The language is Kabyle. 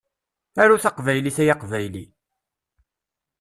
Aru taqbaylit ay aqbayli!